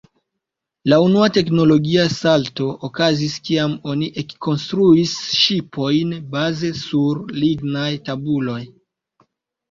La unua teknologia salto okazis kiam oni ekkonstruis ŝipojn baze sur lignaj tabuloj.